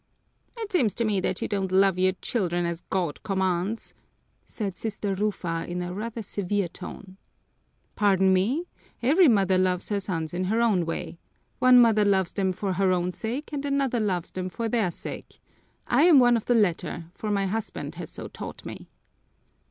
"It seems to me that you don't love your children as God commands," said Sister Rufa in a rather severe tone. "Pardon me, every mother loves her sons in her own way. One mother loves them for her own sake and another loves them for their sake. I am one of the latter, for my husband has so taught me."